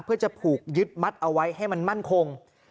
เพื่อจะผูกยึดมัดเอาไว้ให้มันมั่นคง